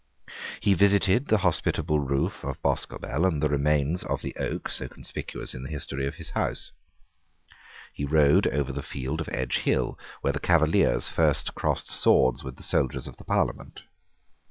He visited the hospitable roof of Boscobel and the remains of the oak so conspicuous in the history of his house. He rode over the field of Edgehill, where the Cavaliers first crossed swords with the soldiers of the Parliament.